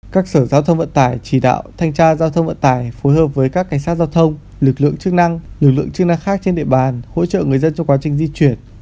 các sở giao thông vận tải chỉ đạo thanh tra giao thông vận tải phối hợp với các cảnh sát giao thông lực lượng chức năng lực lượng chức năng khác trên địa bàn hỗ trợ người dân trong quá trình di chuyển